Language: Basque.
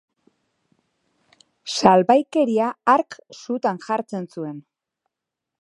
Salbaikeria hark sutan jartzen zuen.